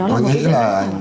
tôi nghĩ là